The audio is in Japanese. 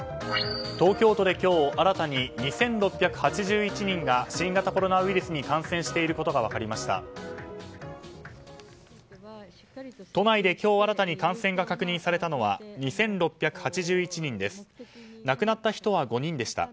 東京都で今日新たに２６８１人が新型コロナウイルスに感染していることが分かりました。